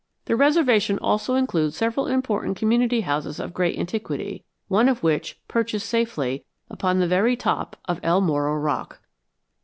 The reservation also includes several important community houses of great antiquity, one of which perches safely upon the very top of El Morro rock.